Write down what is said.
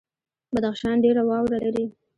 بدخشان ډیره واوره لري